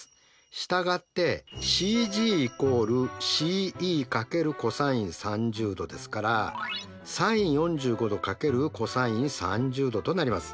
従ってＣＧ＝ＣＥ×ｃｏｓ３０°ですからｓｉｎ４５°×ｃｏｓ３０°となります。